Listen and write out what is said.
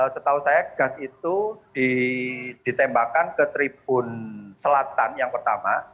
setahu saya gas itu ditembakkan ke tribun selatan yang pertama